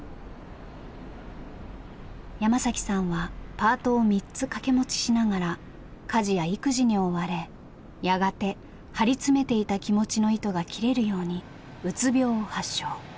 山さんはパートを３つ掛け持ちしながら家事や育児に追われやがて張り詰めていた気持ちの糸が切れるようにうつ病を発症。